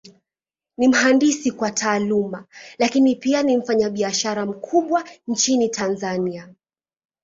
Ni mhandisi kwa Taaluma, Lakini pia ni mfanyabiashara mkubwa Nchini Tanzania.